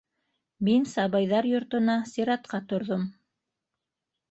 Мин сабыйҙар йортона сиратҡа торҙом.